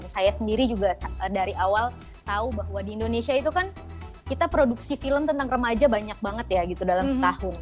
saya sendiri juga dari awal tahu bahwa di indonesia itu kan kita produksi film tentang remaja banyak banget ya gitu dalam setahun